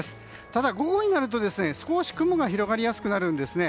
ただ、午後になると少し雲が広がりやすくなるんですね。